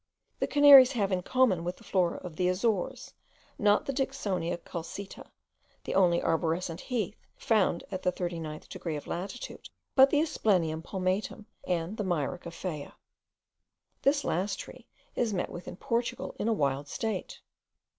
The Canaries have, in common with the Flora of the Azores, not the Dicksonia culcita, the only arborescent heath found at the thirty ninth degree of latitude, but the Asplenium palmatum, and the Myrica Faya. This last tree is met with in Portugal, in a wild state.